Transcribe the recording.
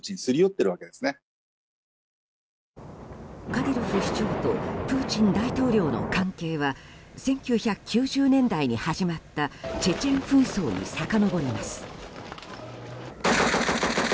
カディロフ首長とプーチン大統領の関係は１９９０年代に始まったチェチェン紛争にさかのぼります。